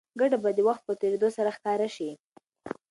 ګټه به د وخت په تېرېدو سره ښکاره شي.